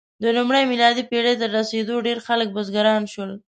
د لومړۍ میلادي پېړۍ تر رسېدو ډېری خلک بزګران شول.